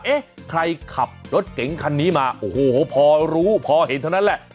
เอ๊ะใครขับรถเก๋งคันนี้มาโอ้โหพอรู้พอเห็นเท่านั้นแหละ